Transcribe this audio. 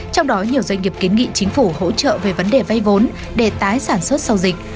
trong đó nhiều doanh nghiệp kiến nghị chính phủ hỗ trợ về vấn đề vay vốn để tái sản xuất sau dịch